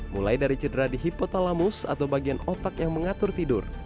mulai dari cedera di hipotalamus atau bagian otak yang mengatur tidur